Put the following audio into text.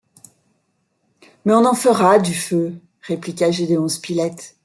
Mais on en fera, du feu ! répliqua Gédéon Spilett